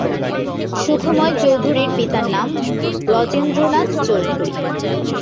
সুখময় চৌধুরীর পিতার নাম ব্রজেন্দ্রনাথ চৌধুরী।